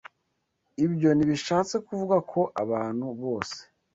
Ibyo ntibishatse kuvuga ko abantu bose